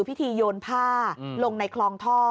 โยนผ้าลงในคลองท่อ